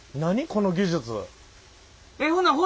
この技術。